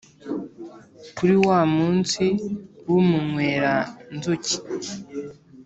kuri wa munsi w’umunywera-nzuki